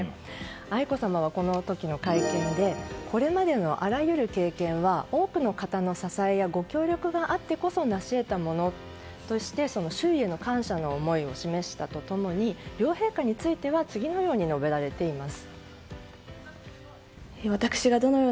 愛子さまはこの時の会見でこれまでのあらゆる経験は多くの方の支えやご協力があってこそなしえたものとして周囲への感謝の思いを示すと共に両陛下については次のように述べられています。